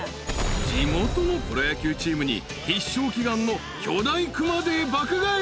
［地元のプロ野球チームに必勝祈願の巨大熊手爆買い］